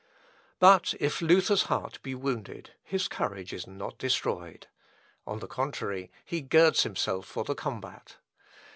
But if Luther's heart be wounded, his courage is not destroyed. On the contrary, he girds himself for the combat.